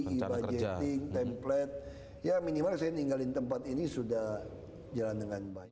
e budgeting template ya minimal saya ninggalin tempat ini sudah jalan dengan baik